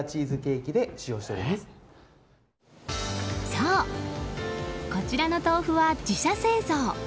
そう、こちらの豆腐は自社製造。